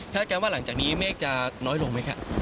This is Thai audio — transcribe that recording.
การว่าหลังจากนี้เมฆจะน้อยลงไหมครับ